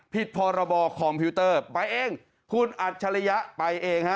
พรบคอมพิวเตอร์ไปเองคุณอัจฉริยะไปเองฮะ